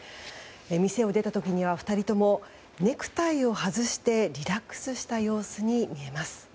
店を出た時には２人ともネクタイを外してリラックスした様子に見えます。